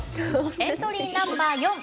エントリーナンバー４。